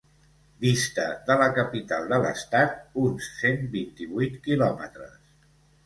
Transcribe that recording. Dista de la capital de l'estat uns cent vint-i-vuit quilòmetres.